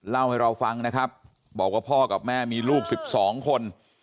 เล่าให้เราฟังนะครับบอกว่าพ่อกับแม่มีลูก๑๒คน